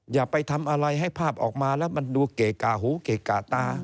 อย่าไปทำอะไรให้ภาพออกมาแล้วมันดูเกะกะหูเกะกะตา